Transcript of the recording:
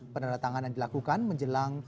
pernah datangkanan dilakukan menjelang